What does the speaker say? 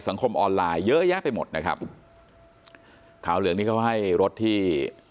ออนไลน์เยอะแยะไปหมดนะครับขาวเหลืองนี่เขาให้รถที่